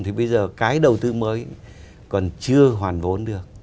thì bây giờ cái đầu tư mới còn chưa hoàn vốn được